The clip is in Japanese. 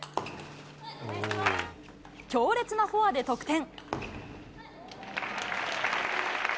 強烈なフォアで得点。